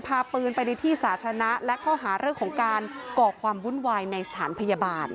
พาปืนไปในที่สาธารณะและข้อหาเรื่องของการก่อความวุ่นวายในสถานพยาบาล